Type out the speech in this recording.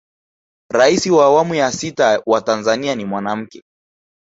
rais wa awamu ya sita wa tanzania ni mwanamke